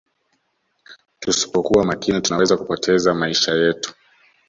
tuspokuwa makini tunaweza kupoteza maisha yetu